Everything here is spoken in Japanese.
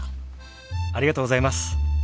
ありがとうございます。